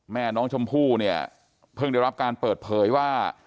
แม่น้องชมพู่เนี่ยเพิ่งได้รับการเปิดเผยว่า